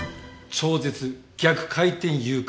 超絶逆回転誘拐？